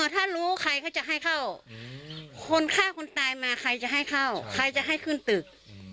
ถ้ารู้ใครเขาจะให้เข้าคนฆ่าคนตายมาใครจะให้เข้าใครจะให้ขึ้นตึก